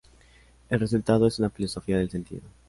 El resultado es una Filosofía del sentido.